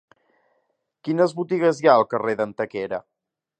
Quines botigues hi ha al carrer d'Antequera?